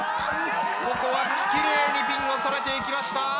ここは奇麗にピンをそれていきました。